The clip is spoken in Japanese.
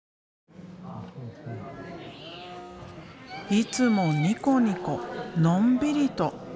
いつもニコニコのんびりと。